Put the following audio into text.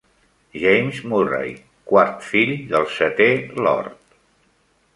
James Murray, quart fill del setè Lord.